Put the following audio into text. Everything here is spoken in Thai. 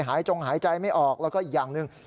จงหายใจไม่ออกแล้วก็อีกอย่างหนึ่ง